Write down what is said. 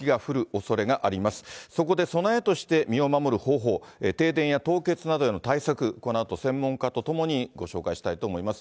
そこで備えとして身を守る方法、停電や凍結などへの対策、このあと専門家と共にご紹介したいと思います。